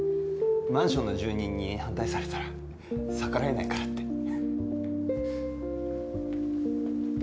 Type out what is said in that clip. マンションの住人に反対されたら逆らえないからって。